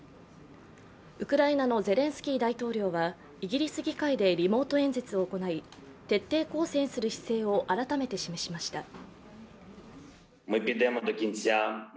ウクライナのゼレンスキー大統領はイギリス議会でリモート演説を行い、徹底抗戦する姿勢を改めて示しました。